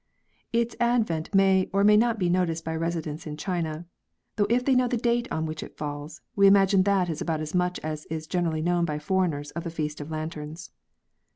Its advent may or may not be noticed by residents in China ; though if they know the date on which it falls, we imagine that is about as much as is generally known by foreigners of the Feast of Lanterns.